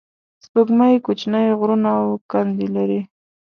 سپوږمۍ کوچنۍ غرونه او کندې لري